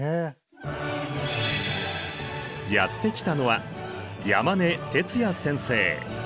やって来たのは山根徹也先生。